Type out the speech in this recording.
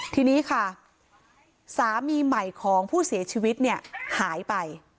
ทีนี้ค่ะสามีใหม่ของผู้เสียชีวิตเนี่ยหายไป